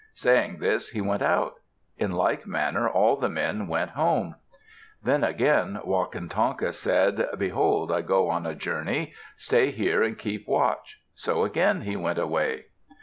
Saying this, he went out. In like manner, all the men went home. Then again Wakantanka said, "Behold, I go on a journey. Stay here and keep watch." So again he went away.